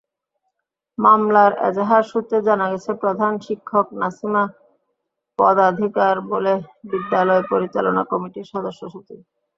মামলার এজাহার সূত্রে জানা গেছে, প্রধান শিক্ষক নাসিমা পদাধিকারবলে বিদ্যালয় পরিচালনা কমিটির সদস্যসচিব।